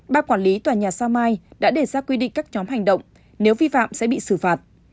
bác quản lý tòa nhà sa mai đã đề ra quy định các nhóm hành động nếu vi phạm sẽ bị xử phạt